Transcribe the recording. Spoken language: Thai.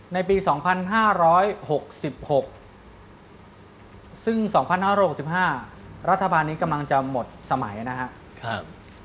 ในปี๒๕๖๖ซึ่ง๒๕๖๕รัฐบาลนี้กำลังจะหมดสมัยนะครับ